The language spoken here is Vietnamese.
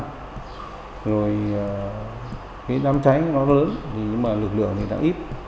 thì đám cháy nó lớn nhưng lực lượng thì đã ít